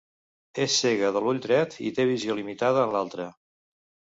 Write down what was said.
És cega de l'ull dret i té visió limitada en l'altre.